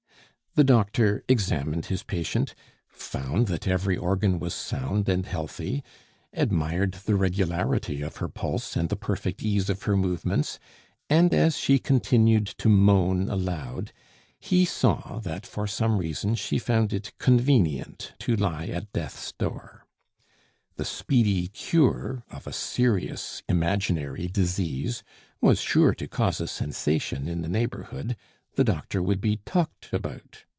The doctor examined his patient, found that every organ was sound and healthy, admired the regularity of her pulse and the perfect ease of her movements; and as she continued to moan aloud, he saw that for some reason she found it convenient to lie at Death's door. The speedy cure of a serious imaginary disease was sure to cause a sensation in the neighborhood; the doctor would be talked about.